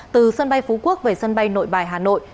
từ sân bay phú quốc về sân bay nội bài hà nội